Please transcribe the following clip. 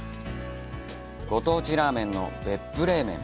ご当地ラーメンの別府冷麺。